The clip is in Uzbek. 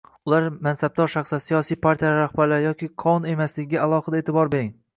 Ular mansabdor shaxslar, siyosiy partiyalar rahbarlari yoki qovun emasligiga alohida e'tibor bering